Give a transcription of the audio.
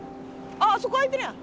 あっあそこあいてるやん！